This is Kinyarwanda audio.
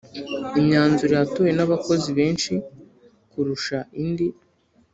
Imyanzuro yatowe n’ abakozi benshi kurusha indi